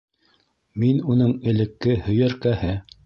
Мин уның элекке һөйәркәһе.